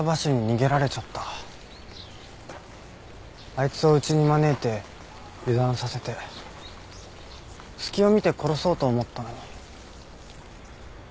あいつをうちに招いて油断させて隙を見て殺そうと思ったのに。